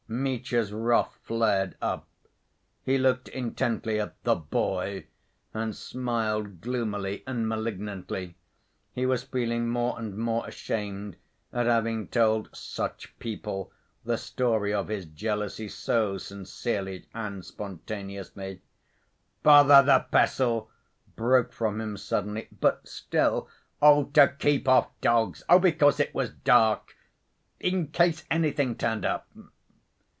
Mitya's wrath flared up. He looked intently at "the boy" and smiled gloomily and malignantly. He was feeling more and more ashamed at having told "such people" the story of his jealousy so sincerely and spontaneously. "Bother the pestle!" broke from him suddenly. "But still—" "Oh, to keep off dogs.... Oh, because it was dark.... In case anything turned up."